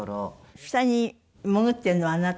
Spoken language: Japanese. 下に潜ってるのはあなた？